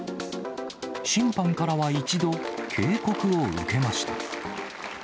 審判からは一度、警告を受けました。